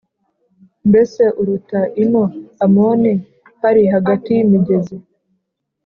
Mbese uruta i No Amoni hari hagati y’imigezi